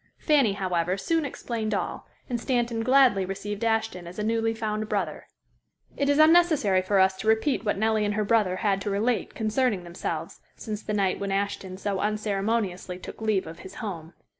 Fanny, however, soon explained all, and Stanton gladly received Ashton as a newly found brother. It is unnecessary for us to repeat what Nellie and her brother had to relate concerning themselves since the night when Ashton so unceremoniously took leave of his home.